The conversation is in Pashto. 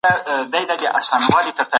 مشر باید پرهیزګاره او د تقوی خاوند وي.